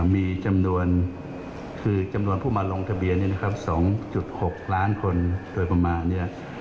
มีจำนวนคือจำนวนผู้มาลงทะเบียน๒๖ล้านคนโดยประมาณนี้